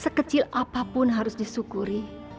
sekecil apapun harus disyukuri